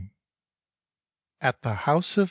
AT THE HOUSE OF MRS.